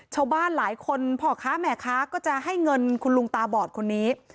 ชาวบ้านหลายคนพ่อค้าแม่ค้าก็จะให้เงินคุณลุงตาบอดคนนี้